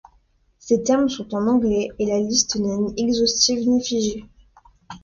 Ces termes sont en anglais, et la liste n'est ni exhaustive ni figée.